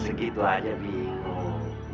segitu aja bingung